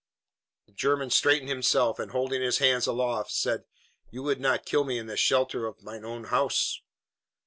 The German straightened himself and, holding his hands aloft, said: "You would not kill me in the shelter uf mein own house?"